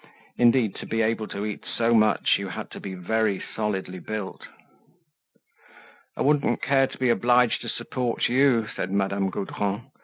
Indeed, to be able to eat so much, you had to be very solidly built! "I wouldn't care to be obliged to support you," said Madame Gaudron.